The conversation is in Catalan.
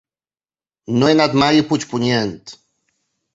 No he anat mai a Puigpunyent.